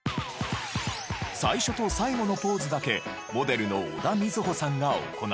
最初と最後のポーズだけモデルの小田瑞穂さんが行い。